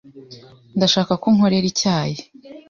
Ndashaka ko unkorera icyayi.